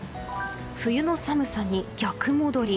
冬の寒さに逆戻り。